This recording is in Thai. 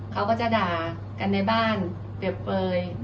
เขาก็จะด่ากันในบ้านเปรียบเปลย